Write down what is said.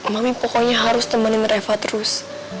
mami pokoknya harus temenin reva terus